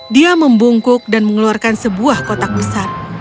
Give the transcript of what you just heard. dia membungkuk dan mengeluarkan sebuah kotak besar